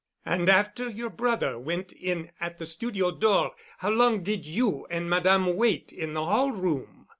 "And after your brother went in at the studio door, how long did you and Madame wait in the hall room?"